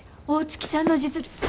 大月さんの実力。